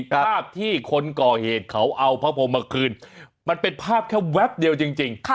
ภาพที่คนก่อเหตุเขาเอาพระพรมมาคืนมันเป็นภาพแค่แป๊บเดียวจริง